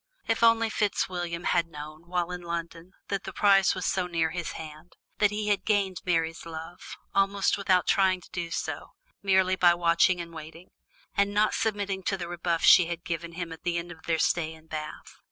If only Fitzwilliam had known, when in London, that the prize lay so near his hand! that he had gained Mary's love, almost without trying to do so, merely by watching and waiting, and not submitting to the rebuff she had given him at the end of their stay in Bath!